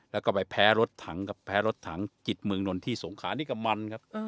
แล้วก็ไปแพ้รถถังครับแพ้รถถังจิตเมืองนนท์ที่สงขานี่ก็มันครับ